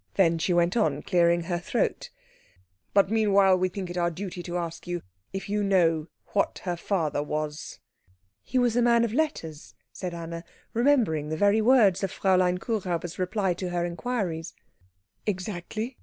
Then she went on, clearing her throat, "But meanwhile we think it our duty to ask you if you know what her father was." "He was a man of letters," said Anna, remembering the very words of Fräulein Kuhräuber's reply to her inquiries. "Exactly.